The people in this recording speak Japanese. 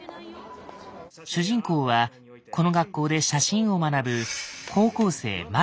主人公はこの学校で写真を学ぶ